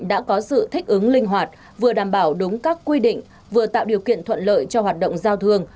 đã có sự thích ứng linh hoạt vừa đảm bảo đúng các quy định vừa tạo điều kiện thuận lợi cho hoạt động giao thương